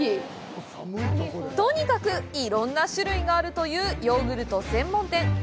とにかく、いろんな種類があるというヨーグルト専門店。